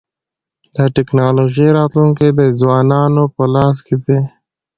د ټکنالوژۍ راتلونکی د ځوانانو په لاس کي دی.